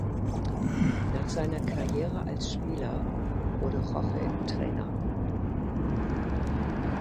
Nach seiner Karriere als Spieler wurde Roche Trainer.